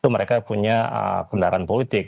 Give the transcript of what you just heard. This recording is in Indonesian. mereka punya kendaraan politik